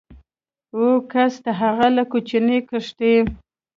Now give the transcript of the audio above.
و کس د هغه له کوچنۍ کښتۍ